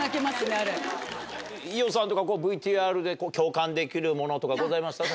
伊代さんとかＶＴＲで共感できるものとかございました？